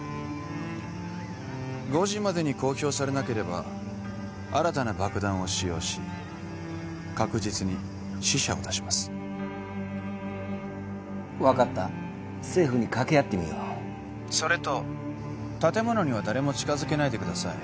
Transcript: ５時までに公表されなければ新たな爆弾を使用し確実に死者を出します分かった政府に掛け合ってみようそれと建物には誰も近づけないでください